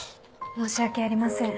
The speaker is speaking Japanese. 申し訳ありません